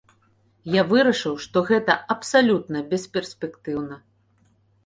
Я вырашыў, што гэта абсалютна бесперспектыўна.